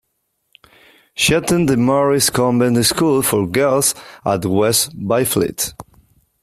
She attended the Marist Convent School for Girls at West Byfleet.